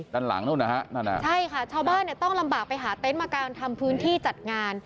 ด้านหลังนู้นนะฮะนั่นอ่ะใช่ค่ะชาวบ้านเนี่ยต้องลำบากไปหาเต็นต์มากางทำพื้นที่จัดงาน